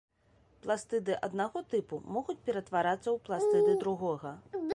Пластыды аднаго тыпу могуць ператварацца ў пластыды другога.